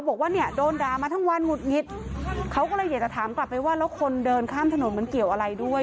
บอกว่าเนี่ยโดนด่ามาทั้งวันหงุดหงิดเขาก็เลยอยากจะถามกลับไปว่าแล้วคนเดินข้ามถนนมันเกี่ยวอะไรด้วย